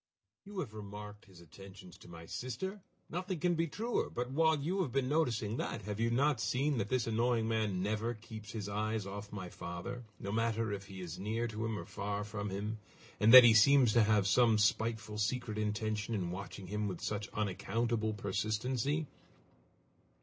You have remarked his attentions to my sister! Nothing can be truer! But while you have been noticing that, have you not seen that this annoying man never keeps his eyes off my father, no matter if he is near to him or far from him, and that he seems to have some spiteful secret intention in watching him with such unaccountable persistency?"